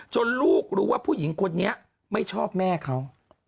ลูกรู้ว่าผู้หญิงคนนี้ไม่ชอบแม่เขา